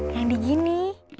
yang di gini